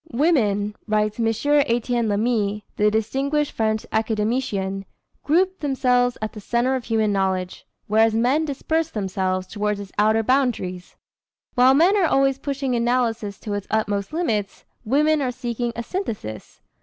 "Women," writes M. Étienne Lamy, the distinguished French Academician, "group themselves at the center of human knowledge, whereas men disperse themselves towards its outer boundaries. While men are always pushing analysis to its utmost limits, women are seeking a synthesis.